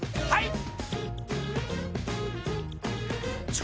はい！